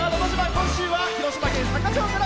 今週は広島県坂町から